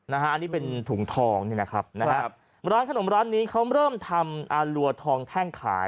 นะฮะอันนี้เป็นถุงทองนี่นะครับร้านขนมร้านนี้เขาเริ่มทำอารัวทองแท่งขาย